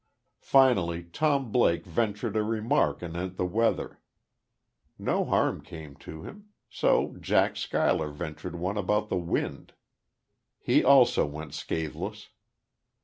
Finally Tom Blake ventured a remark anent the weather. No harm came to him. So Jack Schuyler ventured one about the wind. He also went scatheless.